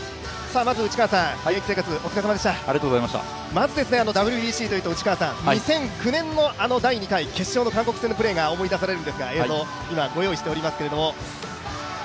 まずＷＢＣというと、２００９年、あの第２回、決勝の韓国戦が思い出されるんですが、映像、今、ご用意しておりますけども。